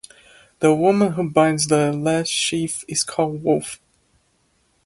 The woman who binds the last sheaf is called Wolf.